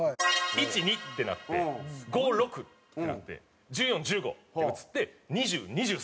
「１」「２」ってなって「５」「６」ってなって「１４」「１５」って映って「２０」「２３」って映ったんですね。